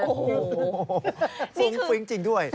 โอ้โหฟุ้งฟิ้งจริงด้วย